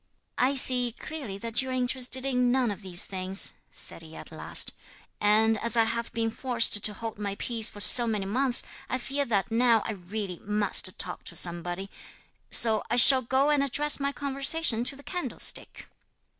'I see clearly that you are interested in none of these things,' said he at last, 'and as I have been forced to hold my peace for so many months, I feel that now I really must talk to somebody, so I shall go and address my conversation to the candlestick.'